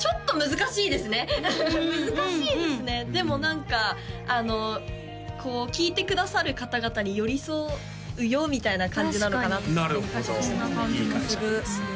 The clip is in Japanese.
難しいですねでも何かこう聴いてくださる方々に寄り添うよみたいな感じなのかなってなるほどいい解釈ですね